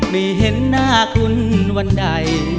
ไม่เห็นหน้าคุณวันใด